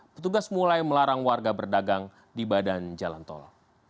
petugas mulai melarang warga berdagang di badan jalan tol